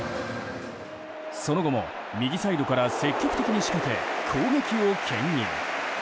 その後も右サイドから積極的に仕掛け攻撃を牽引。